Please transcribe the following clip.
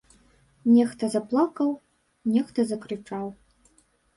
Нехта заплакаў, нехта закрычаў.